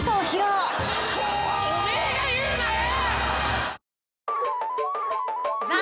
お前が言うなよ！